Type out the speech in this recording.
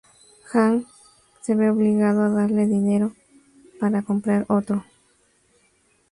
Hank se ve obligado a darle dinero para comprar otro.